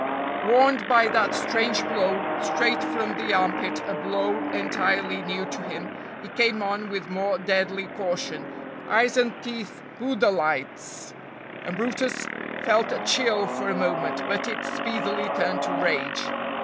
Warned by that strange blow, straight from the armpit, a blow entirely new to him, he came on with more deadly caution, eyes and teeth budelights, and brutus felt a chill for a moment, but it speedily turned to rage.